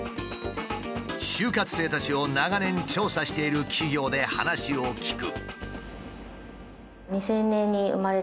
就活生たちを長年調査している企業で話を聞く。